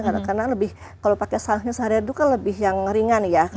karena lebih kalau pakai sahnya sehari hari itu kan lebih yang ringan ya